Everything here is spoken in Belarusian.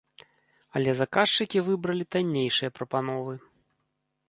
Але заказчыкі выбралі таннейшыя прапановы.